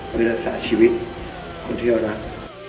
เพื่อรักษาชีวิตคนที่เรารัก